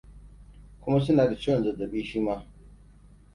kuma suna da ciwon zazzaɓi shima